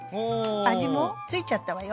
味も付いちゃったわよ。